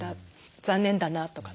残念だなとかって。